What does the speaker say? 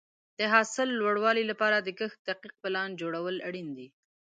د حاصل د لوړوالي لپاره د کښت دقیق پلان جوړول اړین دي.